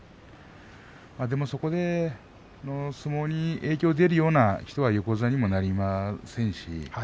でも、そこで相撲に影響が出るような人は横綱にはなれません。